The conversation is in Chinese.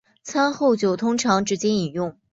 餐后酒通常直接饮用。